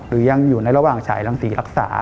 หรือยังอยู่ในระหว่างฉายรังศรีรักษา